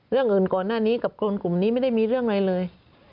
เรื่องอื่นก่อนหน้านี้กับคนกลุ่มนี้ไม่ได้มีเรื่องอะไรเลย